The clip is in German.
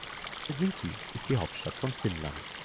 Helsinki ist die Hauptstadt von Finnland.